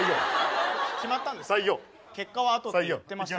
決まったんですか？